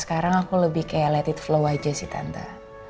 sekarang aku lebih kayak liat it flow aja sih tante